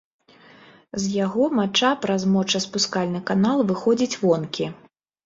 З яго мача праз мочаспускальны канал выходзіць вонкі.